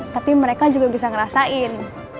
tapi mereka juga bisa ngerasain